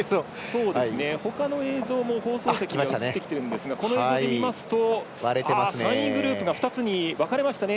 ほかの映像も放送席に送ってきているんですがこの映像で見ますと３位グループが２つに分かれましたね。